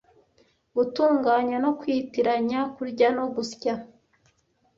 gutunganya no kwitiranya, kurya no gusya